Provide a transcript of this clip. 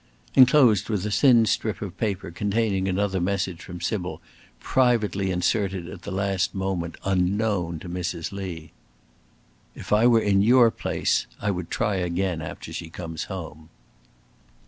Enclosed was a thin strip of paper containing another message from Sybil, privately inserted at the last moment unknown to Mrs. Lee "If I were in your place I would try again after she comes home."